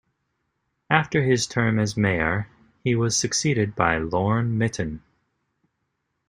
After his term as mayor, he was succeeded by Lorne Mitton.